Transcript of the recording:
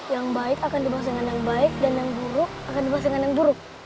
yang baik akan dibahas dengan yang baik dan yang buruk akan dimaksud dengan yang buruk